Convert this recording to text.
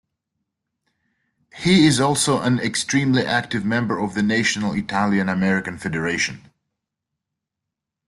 He is also an extremely active member of the National Italian American Federation.